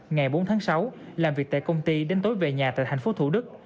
ngày bốn tháng sáu làm việc tại công ty đến tối về nhà tại tp thủ đức